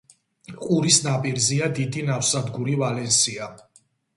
ყურის ნაპირზეა დიდი ნავსადგური ვალენსია.